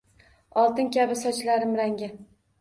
Oltin kabi sochlarim rangi